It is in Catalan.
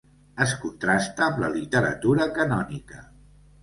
Es contrasta amb la literatura canònica.